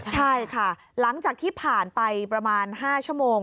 ใช่ค่ะหลังจากที่ผ่านไปประมาณ๕ชั่วโมง